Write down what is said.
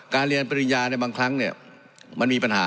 การเรียนปริญญาในบางครั้งเนี่ยมันมีปัญหา